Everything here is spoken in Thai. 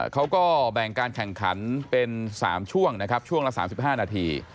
เขาก็แบ่งการแข่งขันเป็น๓ช่วงนะครับช่วงละ๓๕นาที